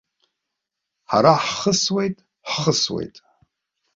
Ҳара ҳхысуеит, ҳхысуеит.